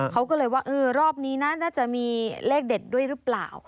เขาก็เลยว่าเออรอบนี้นะน่าจะมีเลขเด็ดด้วยหรือเปล่า